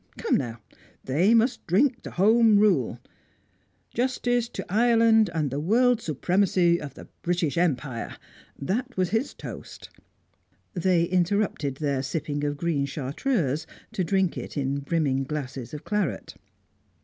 Come now, they must drink Home Rule "Justice to Ireland, and the world supremacy of the British Empire!" that was his toast. They interrupted their sipping of green Chartreuse to drink it in brimming glasses of claret.